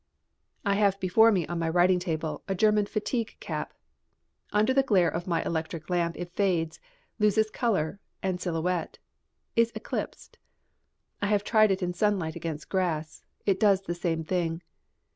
I have before me on my writing table a German fatigue cap. Under the glare of my electric lamp it fades, loses colour and silhouette, is eclipsed. I have tried it in sunlight against grass. It does the same thing.